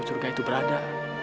surga itu berada